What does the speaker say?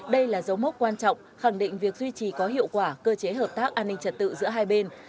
đây là dấu mốc quan trọng khẳng định việc duy trì có hiệu quả cơ chế hợp tác an ninh trật tự giữa hai bên